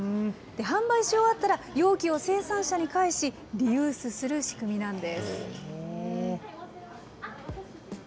販売し終わったら容器を生産者に返し、リユースする仕組みなんです。